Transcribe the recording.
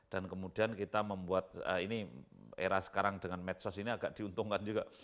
dan kemudian kita membuat ini era sekarang dengan medsos ini agak diuntungkan juga